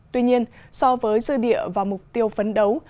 tuy nhiên so với dư địa và mục tiêu phấn đấu